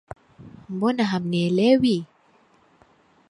Mbona hamnielewi?